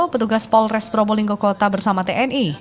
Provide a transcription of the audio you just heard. petugas polres probolinggo kota bersama tni